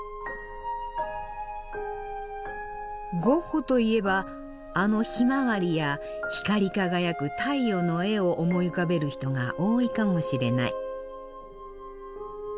ゴッホといえばあの「ひまわり」や光り輝く太陽の絵を思い浮かべる人が多いかもしれない。